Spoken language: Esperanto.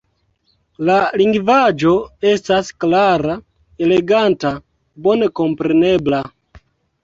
La lingvaĵo estas klara, eleganta, bone komprenebla.